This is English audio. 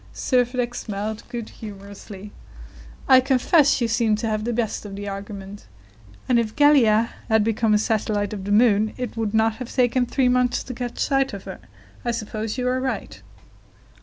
Servadac smiled good humoredly. "I confess you seem to have the best of the argument, and if Gallia had become a satellite of the moon, it would not have taken three months to catch sight of her. I suppose you are right."